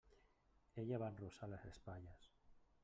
Ella va arronsar les espatlles.